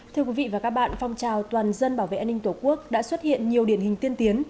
thưa quý vị và các bạn phong trào toàn dân bảo vệ an ninh tổ quốc đã xuất hiện nhiều điển hình tiên tiến